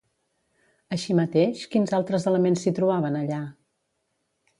Així mateix, quins altres elements s'hi trobaven allà?